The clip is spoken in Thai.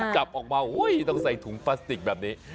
จับออกมาที่ต้องใส่ถุงพลาสติกแบบนี้